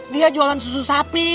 dia jualan susu sapi